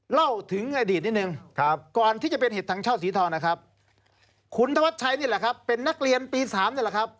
เล่าถึงอดีตนิดนึงก่อนที่จะเป็นเห็ดถังเช่าสีทองนะครับคุณธวัชชัยนี่แหละครับเป็นนักเรียนปี๓นี่แหละครับ